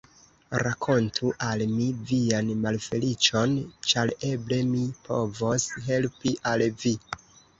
Rakontu al mi vian malfeliĉon, ĉar eble mi povos helpi al vi.